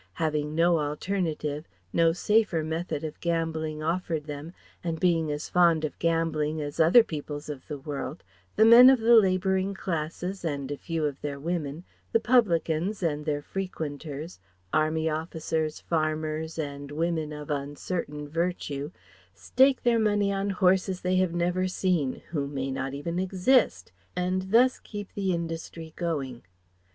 Having no alternative, no safer method of gambling offered them, and being as fond of gambling as other peoples of the world, the men of the labouring classes and a few of their women, the publicans and their frequenters, army officers, farmers, and women of uncertain virtue stake their money on horses they have never seen, who may not even exist, and thus keep the industry going.